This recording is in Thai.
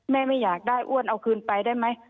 ไม่อยากได้อ้วนเอาคืนไปได้ไหม